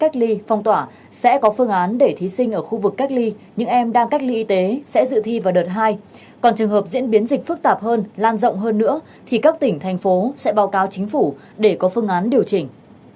trường hợp có thí sinh f một địa điểm cách ly và sẽ báo cáo chính phủ để có phương án điều chỉnh